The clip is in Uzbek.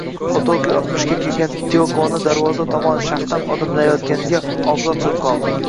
Otoki oltmishga kirgan Tiyokoni darvoza tomon shahdam odimlayotganiga og`zi ochilib qoldi